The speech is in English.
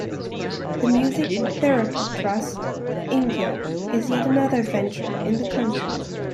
The "Music Therapy Trust of India" is yet another venture in the country.